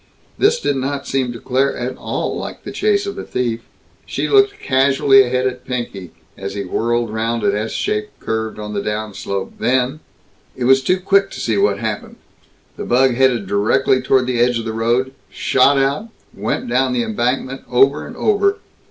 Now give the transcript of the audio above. This did not seem to Claire at all like the chase of a thief. She looked casually ahead at Pinky, as he whirled round an S shaped curve on the downslope, then It was too quick to see what happened. The bug headed directly toward the edge of the road, shot out, went down the embankment, over and over.